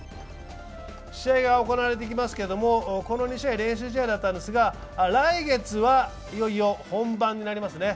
試合が行われていきますけれどもこの２試合は練習試合だったんですが来月はいよいよ本番になりますね。